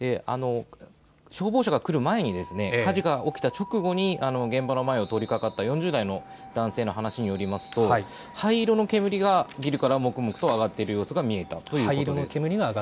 消防車が来る前に、火事が起きた直後に現場の前を通りかかった４０代の男性の話によりますと灰色の煙がビルからもくもくと上がっている様子が見えたということです。